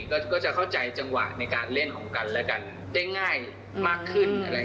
ก็จะเข้าใจจังหวะในการเล่นของกันและกันได้ง่ายมากขึ้น